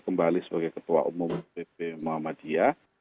kembali sebagai ketua umum pp muhammadiyah